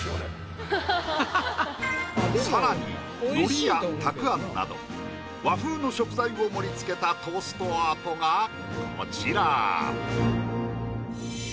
更に海苔やたくあんなど和風の食材を盛りつけたトーストアートがこちら。